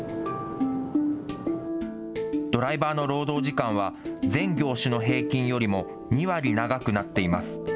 ドライバーの労働時間は、全業種の平均よりも２割長くなっています。